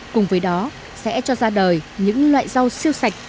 cùng với đó sẽ cho ra đời những loại rau siêu sạch